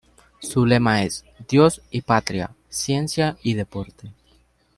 Su lema es ""Dios y patria, ciencia y deporte"".